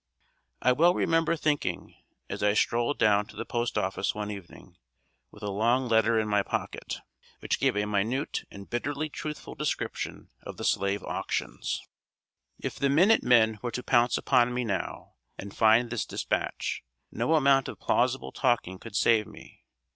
I well remember thinking, as I strolled down to the post office one evening, with a long letter in my pocket, which gave a minute and bitterly truthful description of the slave auctions: [Sidenote: A LIVELY DISCUSSION.] "If the Minute Men were to pounce upon me now, and find this dispatch, no amount of plausible talking could save me.